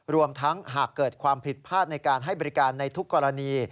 รวมทั้งหากเกิดความผิดพลาดในการให้บริการในทุกกรณี